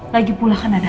lagi pula kan ada